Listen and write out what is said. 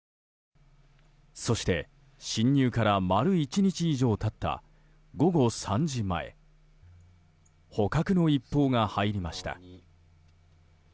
そして侵入から丸１日以上経った午後３時前捕獲の一報が入りました。